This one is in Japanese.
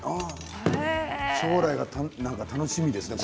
将来が楽しみですね